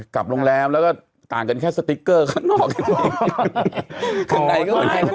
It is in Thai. กับโรงแรมจริงต่างกันแค่สติกเกอร์ข้างนอก